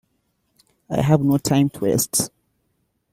I have no time to waste.